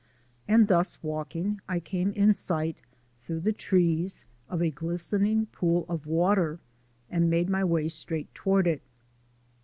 And thus walking I came in sight, through the trees, of a glistening pool of water and made my way straight toward it.